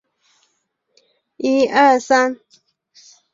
戴左手的无名指上的戒指被认为是结婚戒指。